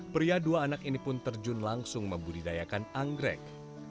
pria dua anak ini pun terjun langsung membudidayakan anggrek